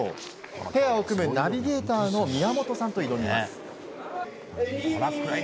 ペアを組むナビゲーターの宮本さんと挑みます。